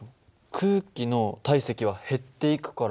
空気の体積は減っていくから。